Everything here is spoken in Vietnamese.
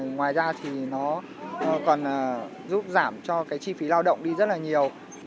ngoài ra thì nó còn giúp giảm cho cái chi phí lao động đi rất là nhiều